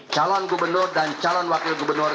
calon gubernur dan calon wakil gubernur